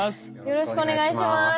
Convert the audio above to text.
よろしくお願いします。